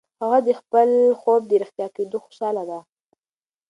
هغه د خپل خوب د رښتیا کېدو خوشاله ده.